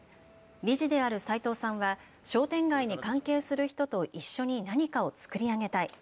理事である齋藤さんは、商店街に関係する人と一緒に何かを作り上げたい。